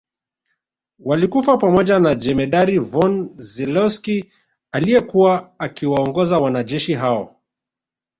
Walikufa pamoja na Jemedari von Zelewski aliyekuwa akiwaongoza wanajeshi hao